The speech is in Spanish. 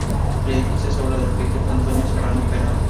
El edificio es obra del arquitecto Antonio Serrano Peral.